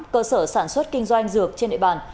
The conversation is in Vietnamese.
cơ sở sản xuất kinh doanh dược trên địa bàn